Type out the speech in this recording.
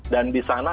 dan di sana